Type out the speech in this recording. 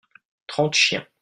trente chiens.